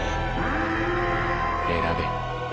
選べ。